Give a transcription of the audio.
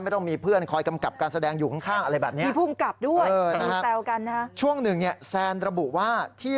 ต้องมีเพื่อนคอยกำกับการแสดงอยู่ข้างอะไรแบบนี้